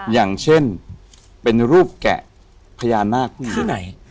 อย่างเช่นเป็นรูปแกะพญานาคมาก